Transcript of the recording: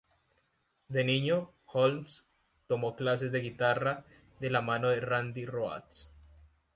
De niño, Holmes tomó clases de guitarra de la mano de Randy Rhoads.